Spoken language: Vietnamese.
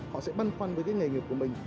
họ sẽ băn khoăn với cái nghề nghiệp của mình